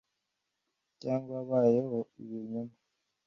cyangwa wabayeho ibinyoma,